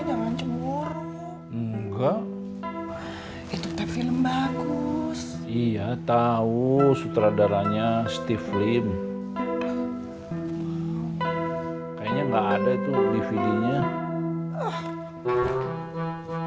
enggak itu film bagus iya tahu sutradaranya steve lim kayaknya enggak ada tuh di video